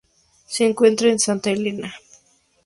Se encuentra en Santa Helena.